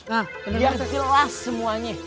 nah bener bener jelas semuanya